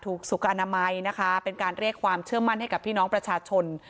สุขอนามัยนะคะเป็นการเรียกความเชื่อมั่นให้กับพี่น้องประชาชน